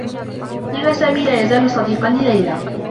كان سامي لا يزال صديقا لليلى.